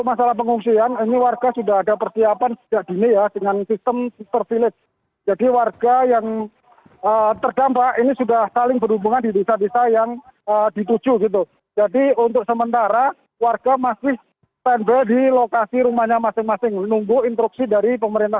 masukkan masker kepada masyarakat hingga sabtu pukul tiga belas tiga puluh waktu indonesia barat